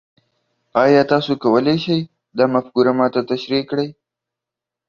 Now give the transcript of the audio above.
ایا تاسو کولی شئ دا مفکوره ما ته تشریح کړئ؟